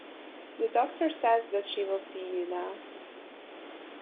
The doctor says that she will see you now.